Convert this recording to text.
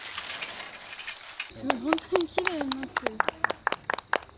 本当にきれいになってる。